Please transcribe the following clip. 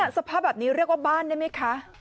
สภาพแบบนี้เรียกว่าบ้านได้ไหมคะ